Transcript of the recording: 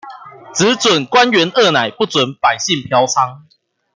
只準官員二奶，不準百姓嫖娼